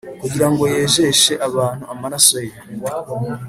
“kugira ngo yejeshe abantu amaraso ye,”